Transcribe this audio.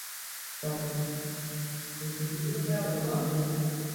তার আগে তুমি বল, তুমি কী করে জানলে?